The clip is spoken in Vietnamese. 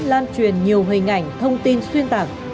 lan truyền nhiều hình ảnh thông tin xuyên thạc